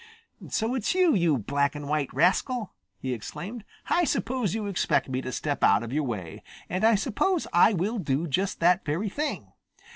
"So it's you, you black and white rascal!" he exclaimed. "I suppose you expect me to step out of your way, and I suppose I will do just that very thing.